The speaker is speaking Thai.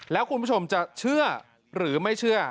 แล้วคุณผู้ชมจะเชื่อหรือไม่เชื่อ